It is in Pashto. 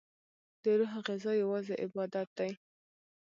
دروح غذا یوازی عبادت دی